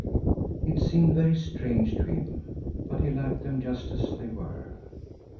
It seemed very strange to him, but he liked them just as they were.